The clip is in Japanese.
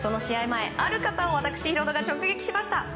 前、ある方を私、ヒロドが直撃しました。